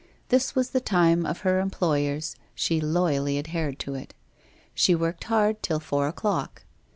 This was the time of her employers, she loyally adhered to it. She worked hard till four o'clock.